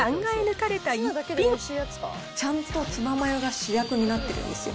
ちゃんとツナマヨが主役になってるんですよ。